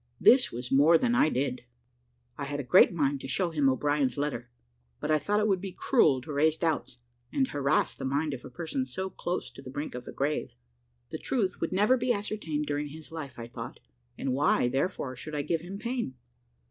This was more than I did. I had a great mind to show him O'Brien's letter, but I thought it would be cruel to raise doubts, and, harass the mind of a person so close to the brink of the grave. The truth would never be ascertained during his life, I thought; and why, therefore, should I give him pain?